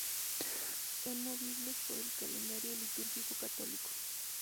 Son movibles por el calendario litúrgico católico.